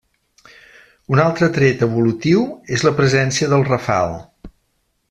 Un altre tret evolutiu és la presència del rafal.